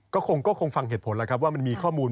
ก็คงฟังเหตุผลแล้วครับว่ามันมีข้อมูล